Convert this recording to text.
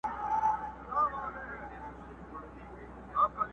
چي ډاکټر ورته کتله وارخطا سو؛